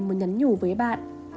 một nhắn nhủ với bạn